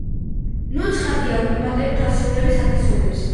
ნუ, ცხადია ვუმატებთ ასეულებს ათეულებს.